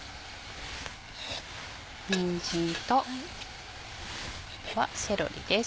にんじんとこれはセロリです。